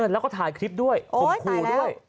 แล้วก็ถ่ายคลิปด้วยข่มขู่ด้วย